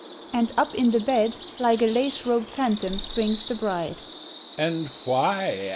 And up in the bed Like a lace robed phantom springs the bride; "And why?"